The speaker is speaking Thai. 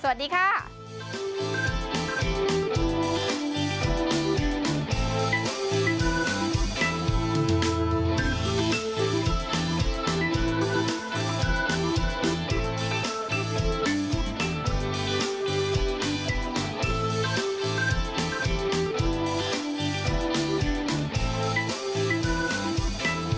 สวัสดีค่ะ